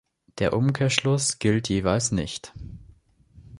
Der Umkehrschluss gilt jeweils nicht.